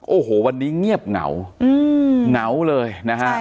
โอ้โหวันนี้เงียบเหงาเหงาเลยนะฮะ